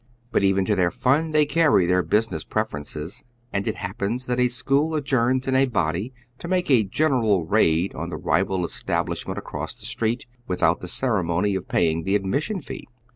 But even to their fun they carry their business pre ferences, and it happens that a school adjourns in a bodv to make a general raid on the rival establishment across the street, without the ceremony of paying the admission fee.